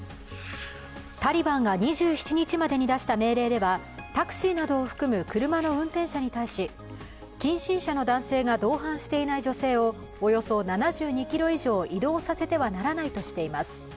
タリバンが２７日までに出した命令ではタクシーなどを含む車の運転者に対し、近親者の男性が同伴していない女性をおよそ７２ｋｍ以上移動させてはならないとしています。